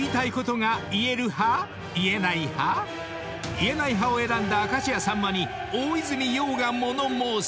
［言えない派を選んだ明石家さんまに大泉洋が物申す］